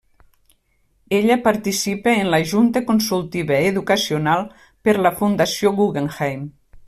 Ella participa en la Junta Consultiva educacional per la Fundació Guggenheim.